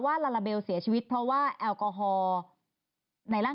ว่าลาลาเบลเสียชีวิตเพราะว่าแอลกอฮอล์ในร่างกายสูงเกินไปนะคะ